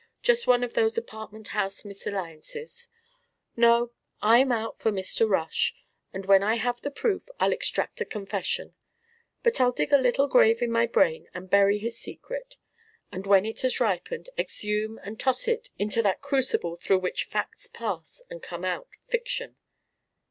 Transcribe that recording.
Just one of those apartment house misalliances. No, I'm out for Mr. Rush, and when I have the proof, I'll extract a confession; but I'll dig a little grave in my brain and bury his secret then when it has ripened, exhume and toss it into that crucible through which facts pass and come out fiction.